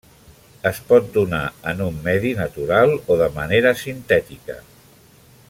Es pot donar en un medi natural o de manera sintètica.